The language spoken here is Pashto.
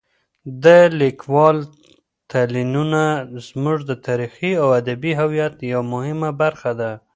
د لیکوالو تلینونه زموږ د تاریخي او ادبي هویت یوه مهمه برخه ده.